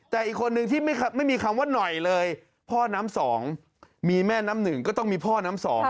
แต่อีกคนนึงที่ไม่มีคำว่าหน่อยเลยพ่อน้ำสองมีแม่น้ำหนึ่งก็ต้องมีพ่อน้ำสอง